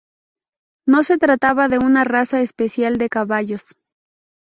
No se trataba de una raza especial de caballos.